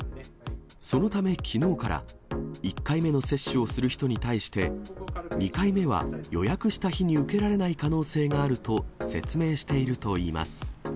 そのため、きのうから、１回目の接種をする人に対して、２回目は予約した日に受けられない可能性があると説明しているといいます。